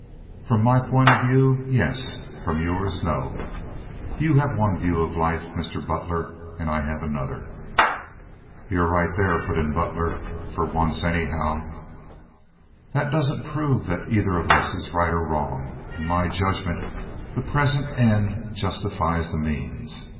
"From my point of view, yes; from yours no. You have one view of life, Mr. Butler, and I have another." "Ye're right there," put in Butler, "for once, anyhow." "That doesn't prove that either of us is right or wrong. In my judgment the present end justifies the means.